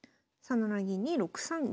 ３七銀に６三銀。